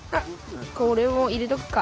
これも入れとくか。